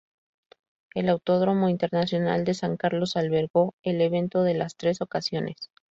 El Autódromo Internacional de San Carlos albergó el evento en las tres ocasiones.